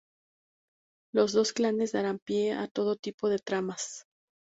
Los dos clanes darán pie a todo tipo de tramas.